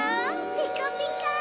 ピカピカ！